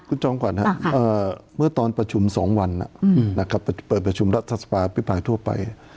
คุณจอมขวัญครับเมื่อตอนประชุม๒วันนะครับเปิดประชุมรัฐสภาพิปรายทั่วไป